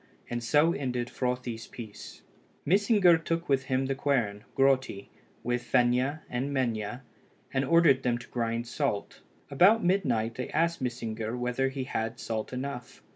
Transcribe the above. And so ended Frothi's peace. Mysingr took with him the quern, Grotti, with Fenia and Menia, and ordered them to grind salt. About midnight they asked Mysingr whether he had salt enough.